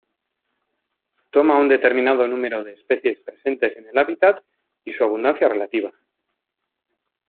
Toma un determinado número de especies presentes en el hábitat y su abundancia relativa.